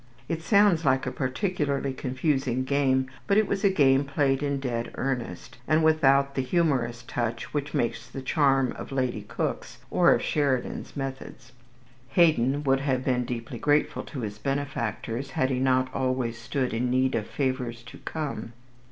It sounds like a particularly confusing game; but it was a game played in dead earnest, and without the humorous touch which makes the charm of Lady Cook's, or of Sheridan's methods. Haydon would have been deeply grateful to his benefactors, had he not always stood in need of favours to come.